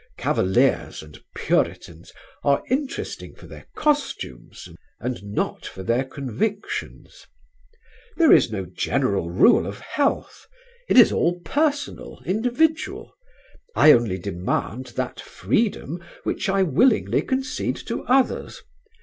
Cavaliers and Puritans are interesting for their costumes and not for their convictions.... "There is no general rule of health; it is all personal, individual.... I only demand that freedom which I willingly concede to others.